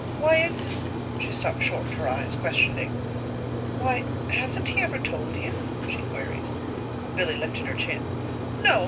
"Why, it's " She stopped short, her eyes questioning. "Why, hasn't he ever told you?" she queried. Billy lifted her chin. "No.